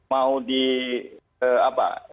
mau di apa